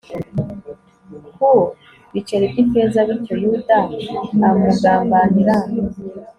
ku biceri by ifeza bityo yuda amugambanira